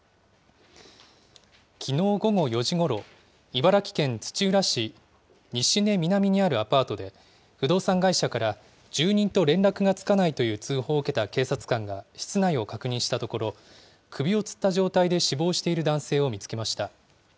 きのう午後４時ごろ、茨城県土浦市西根南にあるアパートで、不動産会社から、住人と連絡がつかないという通報を受けた警察官が室内を確認したところ、首をつった状態で死亡している男性を見つけました。